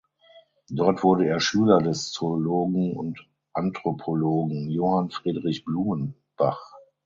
Dort wurde er Schüler des Zoologen und Anthropologen Johann Friedrich Blumenbach.